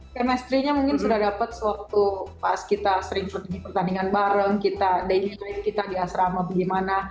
kemestrinya mungkin sudah dapet sewaktu pas kita sering pergi pertandingan bareng kita daily night kita di asrama bagaimana